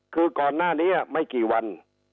คือก่อนหน้านี้ไม่กี่วัน